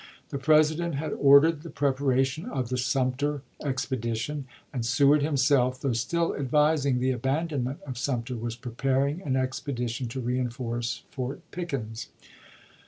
The President had ordered the preparation of the Sumter expedition ; and Seward himself, though still advising the abandonment of Sumter, was preparing an expedition to reenforce Fort Pickens.